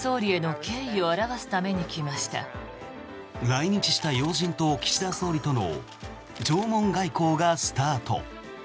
来日した要人と岸田総理との弔問外交がスタート。